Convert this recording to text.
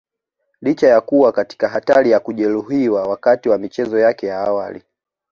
Licha ya kuwa katika hatari ya kujeruhiwa wakati wa michezo yake ya awali